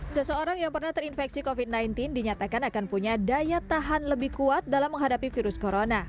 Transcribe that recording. seseorang yang pernah terinfeksi covid sembilan belas dinyatakan akan punya daya tahan lebih kuat dalam menghadapi virus corona